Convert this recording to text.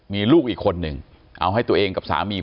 มีลูกอีกคนนึงเอาให้ตัวเองกับสามี